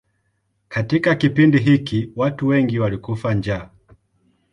Katika kipindi hiki watu wengi walikufa njaa.